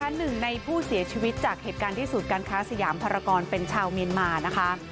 หนึ่งในผู้เสียชีวิตจากเหตุการณ์ที่ศูนย์การค้าสยามภารกรเป็นชาวเมียนมานะคะ